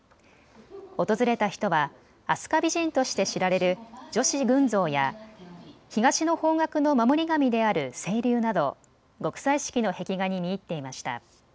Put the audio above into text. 訪れた人は飛鳥美人として知られる女子群像や東の方角の守り神である青龍など極彩色の壁画に見入っていました。